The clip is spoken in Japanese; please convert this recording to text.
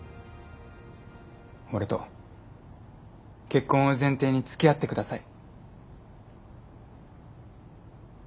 俺と結婚を前提につきあって下さい。